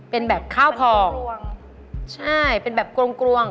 เป็นแบบข้าวผองใช่เป็นแบบกรวง